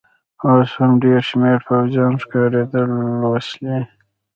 اوس هم ډېر شمېر پوځیان ښکارېدل، وسلې.